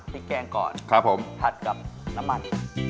มีแกงก่อนผัดกับน้ำมัน